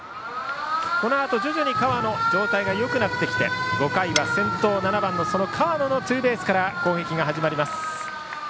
このあと徐々に河野の状態がよくなってきて５回は先頭７番の河野のツーベースから攻撃が始まります。